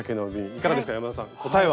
いかがですか山田さん答えは？